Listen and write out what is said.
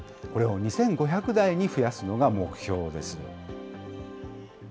これを２５００台に増やすのが目標です。